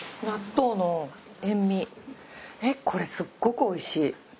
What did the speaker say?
えこれすっごくおいしい。